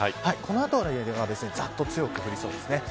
この辺りはざっと強く降りそうです。